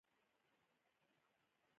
د ازموینې وېره د محصل زړه تنګوي.